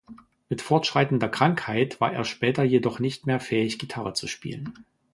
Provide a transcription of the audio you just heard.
Mit fortschreitender Krankheit war er später jedoch nicht mehr fähig, Gitarre zu spielen.